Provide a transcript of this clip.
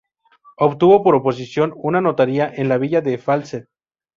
Obtuvo por oposición una notaría en la villa de Falset.